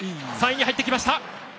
３位に入ってきました。